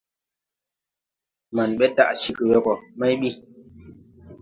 Maŋ ɓe daʼ cegè we go may bi.